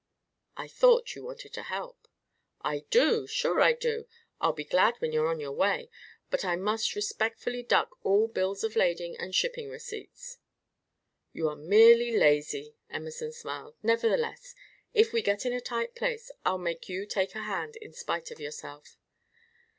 "I thought you wanted to help." "I do, sure I do! I'll be glad when you're on your way, but I must respectfully duck all bills of lading and shipping receipts." "You are merely lazy," Emerson smiled. "Nevertheless, if we get in a tight place, I'll make you take a hand in spite of yourself."